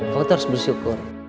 kamu harus bersyukur